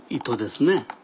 糸ですね。